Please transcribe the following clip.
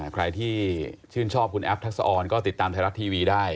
ใครที่ชื่นชอบคุณแอฟทักษะออนก็ติดตามไทยรัฐทีวีได้